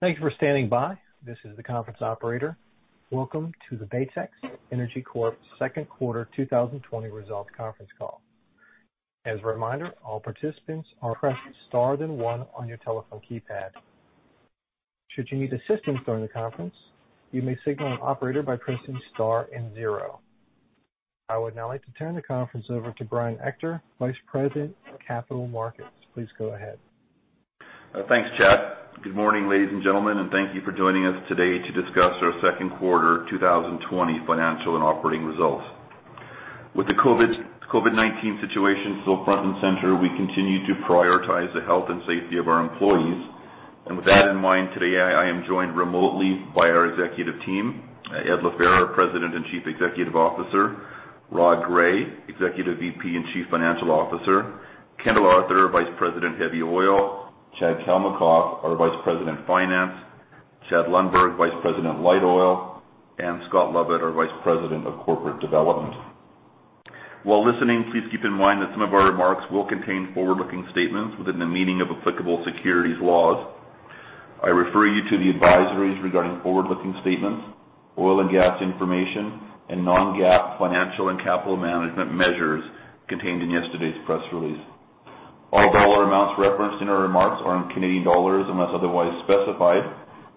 Thank you for standing by. This is the conference operator. Welcome to the Baytex Energy Corp second quarter 2020 results conference call. As a reminder, all participants are requested to press star, then one on your telephone keypad. Should you need assistance during the conference, you may signal an operator by pressing star and zero. I would now like to turn the conference over to Brian Ector, Vice President of Capital Markets. Please go ahead. Thanks, Chad. Good morning, ladies and gentlemen, and thank you for joining us today to discuss our second quarter 2020 financial and operating results. With the COVID-19 situation still front and center, we continue to prioritize the health and safety of our employees, and with that in mind, today I am joined remotely by our executive team, Ed LaFehr, our President and Chief Executive Officer, Rod Gray, Executive VP and Chief Financial Officer, Kendall Arthur, our Vice President of Heavy Oil, Chad Kalmakoff, our Vice President of Finance, Chad Lundberg, Vice President of Light Oil, and Scott Lovett, our Vice President of Corporate Development. While listening, please keep in mind that some of our remarks will contain forward-looking statements within the meaning of applicable securities laws. I refer you to the advisories regarding forward-looking statements, oil and gas information, and non-GAAP financial and capital management measures contained in yesterday's press release. All dollar amounts referenced in our remarks are in Canadian dollars unless otherwise specified.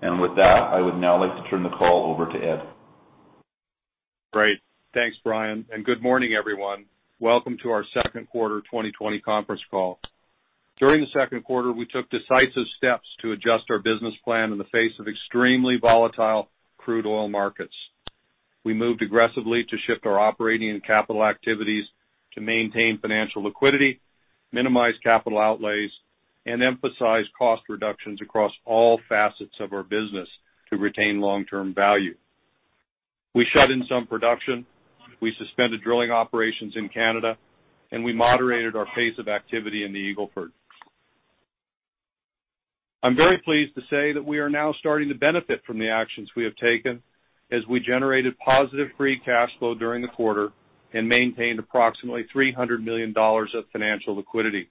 And with that, I would now like to turn the call over to Ed. Great. Thanks, Brian. And good morning, everyone. Welcome to our second quarter 2020 conference call. During the second quarter, we took decisive steps to adjust our business plan in the face of extremely volatile crude oil markets. We moved aggressively to shift our operating and capital activities to maintain financial liquidity, minimize capital outlays, and emphasize cost reductions across all facets of our business to retain long-term value. We shut in some production, we suspended drilling operations in Canada, and we moderated our pace of activity in the Eagle Ford. I'm very pleased to say that we are now starting to benefit from the actions we have taken as we generated positive free cash flow during the quarter and maintained approximately 300 million dollars of financial liquidity.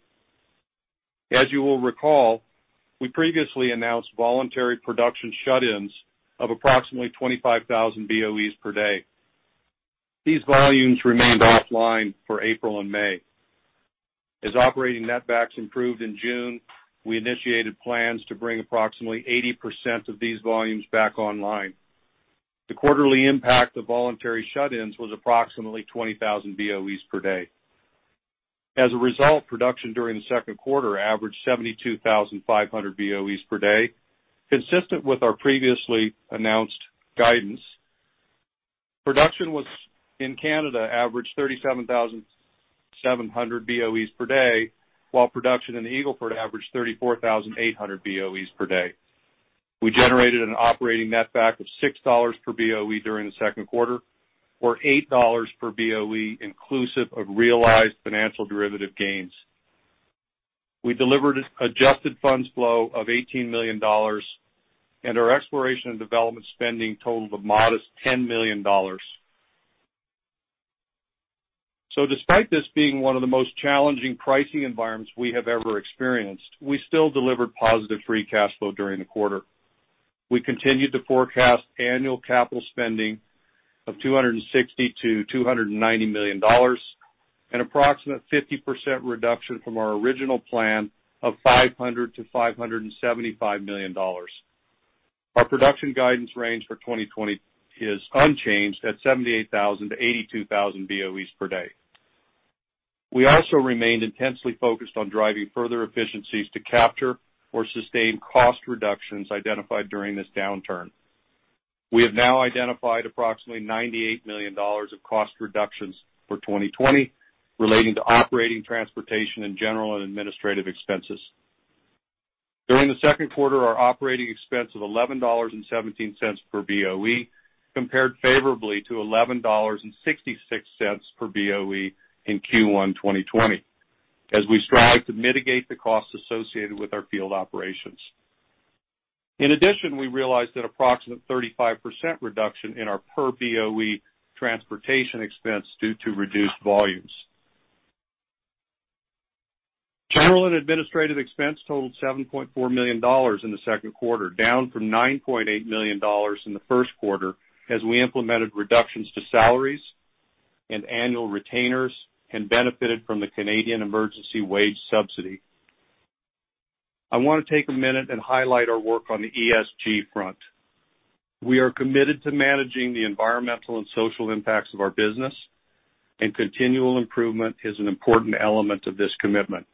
As you will recall, we previously announced voluntary production shut-ins of approximately 25,000 BOEs per day. These volumes remained offline for April and May. As operating netbacks improved in June, we initiated plans to bring approximately 80% of these volumes back online. The quarterly impact of voluntary shut-ins was approximately 20,000 BOEs per day. As a result, production during the second quarter averaged 72,500 BOEs per day, consistent with our previously announced guidance. Production in Canada averaged 37,700 BOEs per day, while production in the Eagle Ford averaged 34,800 BOEs per day. We generated an operating netback of $6 per BOE during the second quarter, or $8 per BOE inclusive of realized financial derivative gains. We delivered an adjusted funds flow of $18 million, and our exploration and development spending totaled a modest $10 million. So despite this being one of the most challenging pricing environments we have ever experienced, we still delivered positive free cash flow during the quarter. We continued to forecast annual capital spending of 260-290 million dollars, and an approximate 50% reduction from our original plan of 500-575 million dollars. Our production guidance range for 2020 is unchanged at 78,000 to 82,000 BOEs per day. We also remained intensely focused on driving further efficiencies to capture or sustain cost reductions identified during this downturn. We have now identified approximately 98 million dollars of cost reductions for 2020 relating to operating, transportation, and general and administrative expenses. During the second quarter, our operating expense of 11.17 dollars per BOE compared favorably to 11.66 dollars per BOE in Q1 2020, as we strive to mitigate the costs associated with our field operations. In addition, we realized an approximate 35% reduction in our per BOE transportation expense due to reduced volumes. General and administrative expense totaled 7.4 million dollars in the second quarter, down from 9.8 million dollars in the first quarter as we implemented reductions to salaries and annual retainers and benefited from the Canada Emergency Wage Subsidy. I want to take a minute and highlight our work on the ESG front. We are committed to managing the environmental and social impacts of our business, and continual improvement is an important element of this commitment.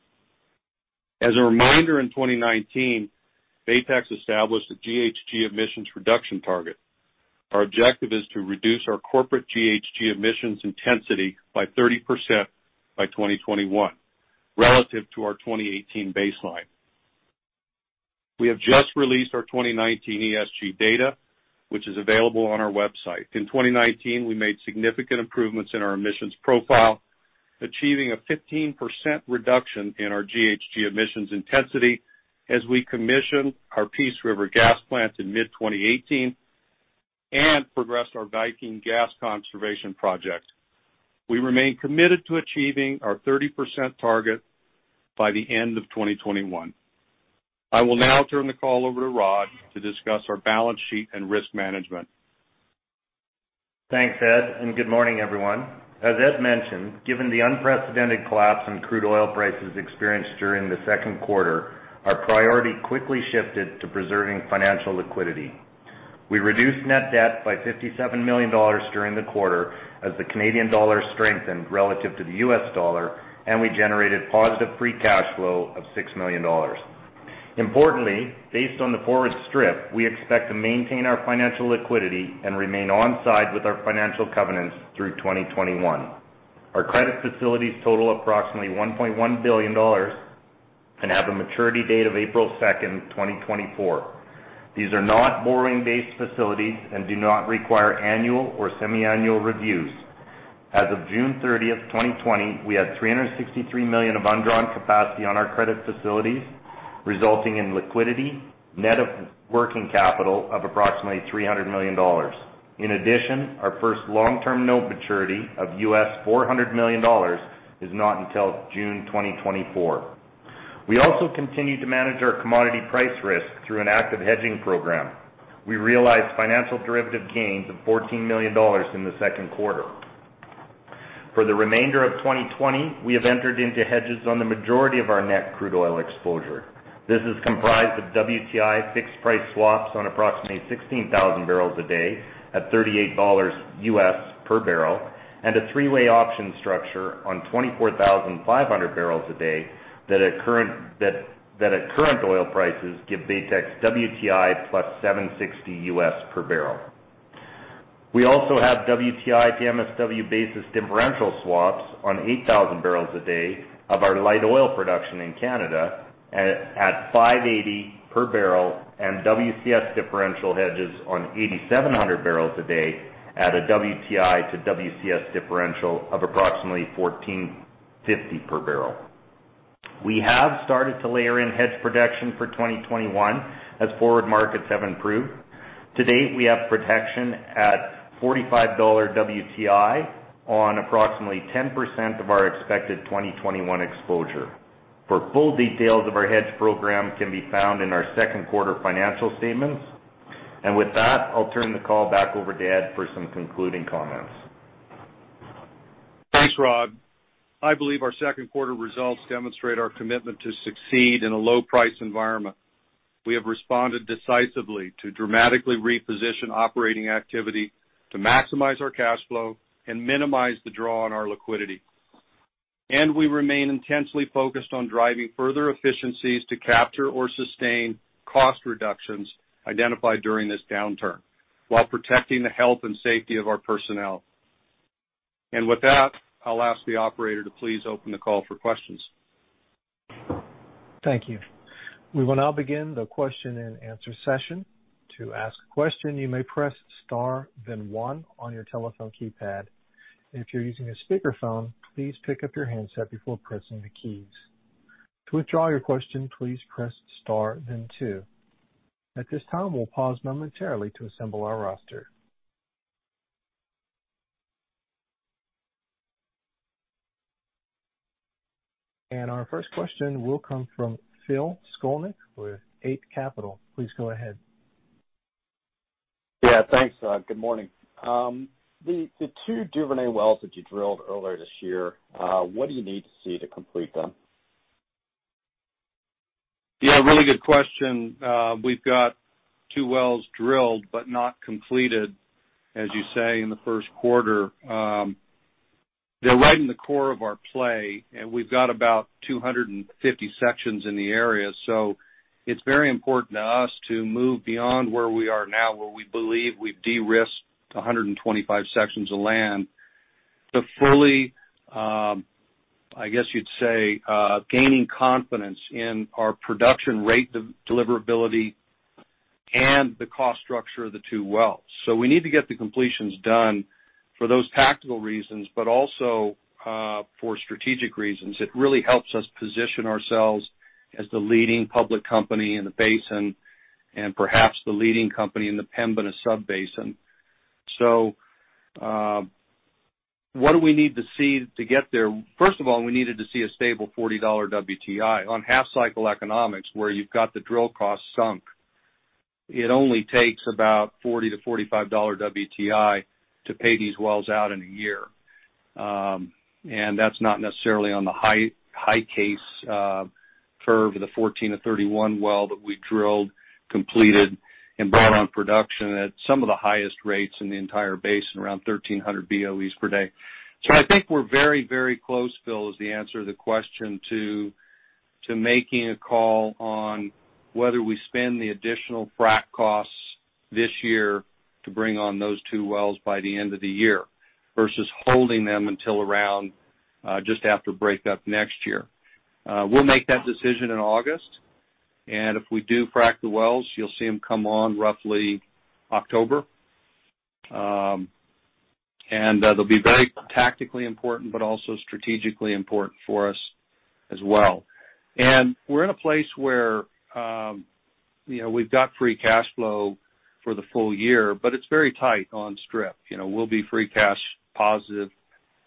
As a reminder, in 2019, Baytex established a GHG emissions reduction target. Our objective is to reduce our corporate GHG emissions intensity by 30% by 2021, relative to our 2018 baseline. We have just released our 2019 ESG data, which is available on our website. In 2019, we made significant improvements in our emissions profile, achieving a 15% reduction in our GHG emissions intensity as we commissioned our Peace River gas plant in mid-2018 and progressed our Viking Gas Conservation Project. We remain committed to achieving our 30% target by the end of 2021. I will now turn the call over to Rod to discuss our balance sheet and risk management. Thanks, Ed, and good morning, everyone. As Ed mentioned, given the unprecedented collapse in crude oil prices experienced during the second quarter, our priority quickly shifted to preserving financial liquidity. We reduced net debt by $57 million during the quarter as the Canadian dollar strengthened relative to the US dollar, and we generated positive free cash flow of $6 million. Importantly, based on the forward strip, we expect to maintain our financial liquidity and remain onside with our financial covenants through 2021. Our credit facilities total approximately $1.1 billion and have a maturity date of April 2, 2024. These are not borrowing-based facilities and do not require annual or semiannual reviews. As of June 30, 2020, we had $363 million of undrawn capacity on our credit facilities, resulting in liquidity, net of working capital of approximately $300 million. In addition, our first long-term note maturity of $400 million is not until June 2024. We also continue to manage our commodity price risk through an active hedging program. We realized financial derivative gains of $14 million in the second quarter. For the remainder of 2020, we have entered into hedges on the majority of our net crude oil exposure. This is comprised of WTI fixed price swaps on approximately 16,000 barrels a day at $38 per barrel, and a three-way option structure on 24,500 barrels a day that at current oil prices give Baytex WTI plus $7.60 per barrel. We also have WTI par MSW basis differential swaps on 8,000 barrels a day of our light oil production in Canada at $5.80 per barrel, and WCS differential hedges on 8,700 barrels a day at a WTI to WCS differential of approximately $14.50 per barrel. We have started to layer in hedge protection for 2021 as forward markets have improved. Today, we have protection at $45 WTI on approximately 10% of our expected 2021 exposure. For full details of our hedge program, can be found in our second quarter financial statements. And with that, I'll turn the call back over to Ed for some concluding comments. Thanks, Rod. I believe our second quarter results demonstrate our commitment to succeed in a low-price environment. We have responded decisively to dramatically reposition operating activity to maximize our cash flow and minimize the draw on our liquidity. And we remain intensely focused on driving further efficiencies to capture or sustain cost reductions identified during this downturn while protecting the health and safety of our personnel. And with that, I'll ask the operator to please open the call for questions. Thank you. We will now begin the question and answer session. To ask a question, you may press star, then one on your telephone keypad. If you're using a speakerphone, please pick up your handset before pressing the keys. To withdraw your question, please press star, then two. At this time, we'll pause momentarily to assemble our roster. Our first question will come from Phil Skolnick with Eight Capital. Please go ahead. Yeah, thanks. Good morning. The two Duvernay wells that you drilled earlier this year, what do you need to see to complete them? Yeah, really good question. We've got two wells drilled but not completed, as you say, in the first quarter. They're right in the core of our play, and we've got about 250 sections in the area. So it's very important to us to move beyond where we are now, where we believe we've de-risked 125 sections of land, to fully, I guess you'd say, gaining confidence in our production rate deliverability and the cost structure of the two wells. So we need to get the completions done for those tactical reasons, but also for strategic reasons. It really helps us position ourselves as the leading public company in the basin and perhaps the leading company in the Pembina sub-basin. So what do we need to see to get there? First of all, we needed to see a stable $40 WTI. On half-cycle economics, where you've got the drill costs sunk, it only takes about $40-$45 WTI to pay these wells out in a year. And that's not necessarily on the high-case curve of the 14-31 well that we drilled, completed, and brought on production at some of the highest rates in the entire basin, around 1,300 BOEs per day. So I think we're very, very close, Phil, is the answer to the question to making a call on whether we spend the additional frac costs this year to bring on those two wells by the end of the year versus holding them until around just after breakup next year. We'll make that decision in August. And if we do frac the wells, you'll see them come on roughly October. And they'll be very tactically important but also strategically important for us as well. We're in a place where we've got free cash flow for the full year, but it's very tight on strip. We'll be free cash positive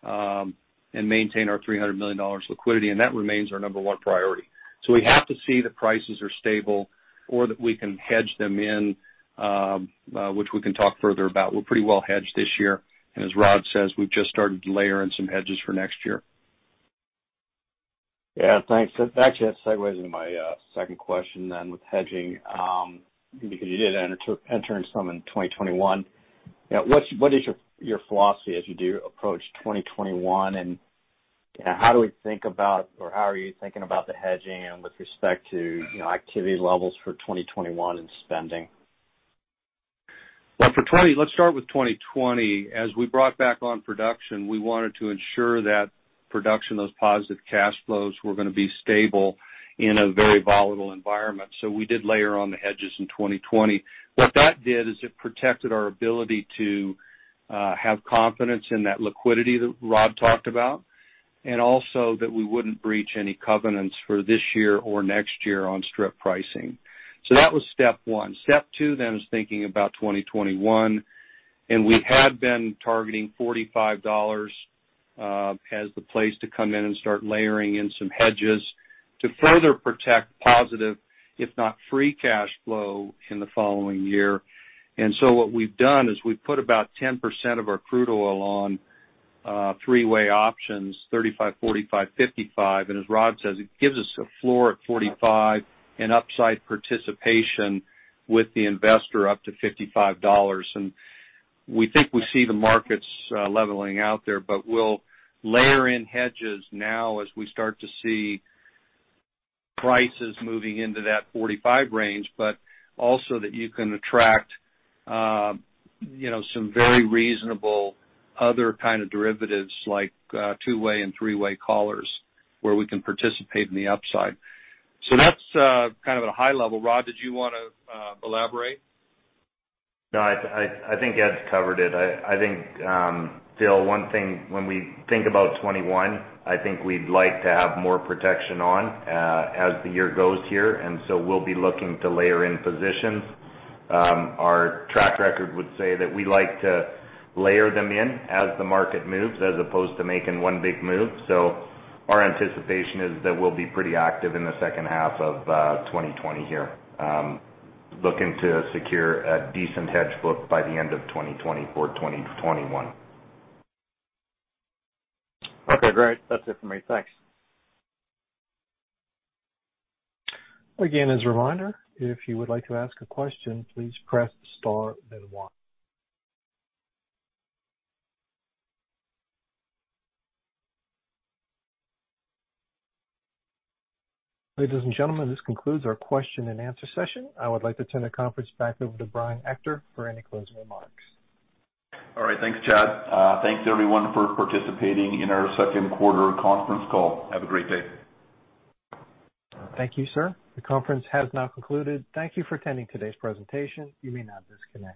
and maintain our $300 million liquidity, and that remains our number one priority. We have to see the prices are stable or that we can hedge them in, which we can talk further about. We're pretty well hedged this year. As Rod says, we've just started to layer in some hedges for next year. Yeah, thanks. That actually segues into my second question then with hedging because you did enter into some in 2021. What is your philosophy as you do approach 2021, and how do we think about, or how are you thinking about the hedging with respect to activity levels for 2021 and spending? Well, let's start with 2020. As we brought back on production, we wanted to ensure that production, those positive cash flows, were going to be stable in a very volatile environment. So we did layer on the hedges in 2020. What that did is it protected our ability to have confidence in that liquidity that Rod talked about, and also that we wouldn't breach any covenants for this year or next year on strip pricing. So that was step one. Step two then is thinking about 2021. And we had been targeting $45 as the place to come in and start layering in some hedges to further protect positive, if not free cash flow in the following year. And so what we've done is we've put about 10% of our crude oil on three-way options, 35, 45, 55. And as Rod says, it gives us a floor at 45 and upside participation with the collar up to $55. And we think we see the markets leveling out there, but we'll layer in hedges now as we start to see prices moving into that 45 range, but also that you can attract some very reasonable other kind of derivatives like two-way and three-way collars where we can participate in the upside. So that's kind of at a high level. Rod, did you want to elaborate? No, I think Ed's covered it. I think, Phil, one thing when we think about 2021, I think we'd like to have more protection on as the year goes here. And so we'll be looking to layer in positions. Our track record would say that we like to layer them in as the market moves as opposed to making one big move. So our anticipation is that we'll be pretty active in the second half of 2020 here, looking to secure a decent hedge book by the end of 2020 for 2021. Okay, great. That's it for me. Thanks. Again, as a reminder, if you would like to ask a question, please press star, then one. Ladies and gentlemen, this concludes our question and answer session. I would like to turn the conference back over to Brian Ector for any closing remarks. All right. Thanks, Chad. Thanks, everyone, for participating in our second quarter conference call. Have a great day. Thank you, sir. The conference has now concluded. Thank you for attending today's presentation. You may now disconnect.